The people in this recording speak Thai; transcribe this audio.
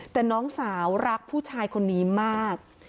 แต่น้องสาวรักผู้ชายคนนี้มาก